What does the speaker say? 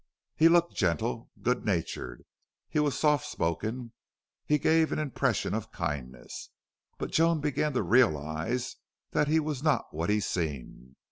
He looked gentle, good natured; he was soft spoken; he gave an impression of kindness. But Joan began to realize that he was not what he seemed.